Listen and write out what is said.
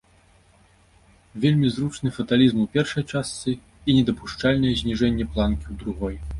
Вельмі зручны фаталізм у першай частцы і недапушчальнае зніжэнне планкі ў другой.